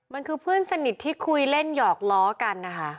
มันคือเพื่อนสนิทที่คุยเล่นหยอกล้อกันนะคะ